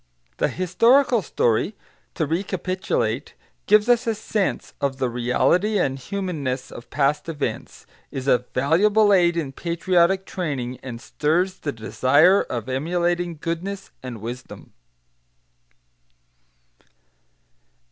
] The historical story, to recapitulate, gives a sense of the reality and humanness of past events, is a valuable aid in patriotic training, and stirs the desire of emulating goodness and wisdom.